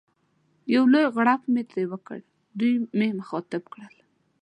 یو لوی غړپ مې ترې وکړ، دوی مې مخاطب کړل.